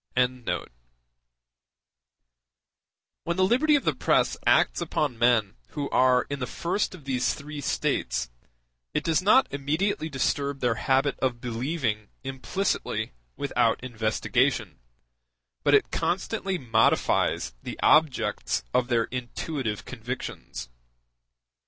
] When the liberty of the press acts upon men who are in the first of these three states, it does not immediately disturb their habit of believing implicitly without investigation, but it constantly modifies the objects of their intuitive convictions.